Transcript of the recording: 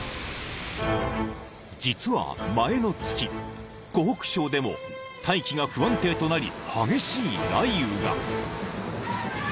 ［実は前の月湖北省でも大気が不安定となり激しい雷雨が］